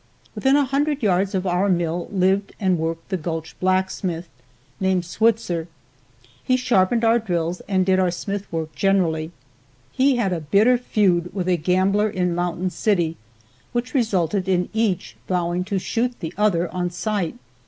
Within a hundred yards of our mill lived and worked the gulch blacksmith, named Switzer. He sharpened our drills and did our smith work generally. He had a bitter feud with a gambler in Mountain City, which resulted in each vowing to shoot the other on sight.